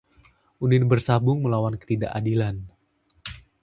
Udin bersabung melawan ketidakadilan